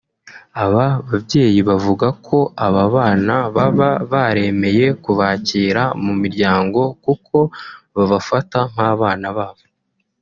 Aba babyeyi bavuga ko aba bana baba baremeye kubakira mu miryango kuko babafata nk’abana babo